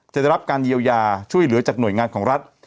จะได้รับการเยียวยาช่วยเหลือจากหน่วยงานของรัฐ